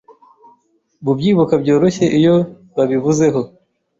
Bubyibuka byoroshe iyo babivuzeho